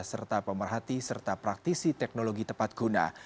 serta pemerhati serta praktisi teknologi tepat guna